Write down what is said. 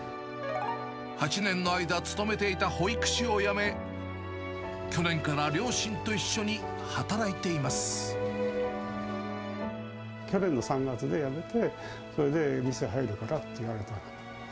８年の間勤めていた保育士を辞め、去年から両親と一緒に働い去年の３月で辞めて、それで店入るからって言われたの。